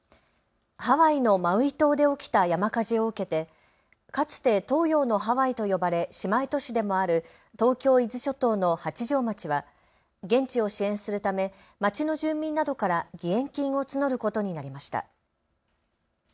ハワイのマウイ島で起きた山火事を受けてかつて東洋のハワイと呼ばれ姉妹都市でもある東京伊豆諸島の八丈町は現地を支援するため町の住民などから義援金を募ることになりました。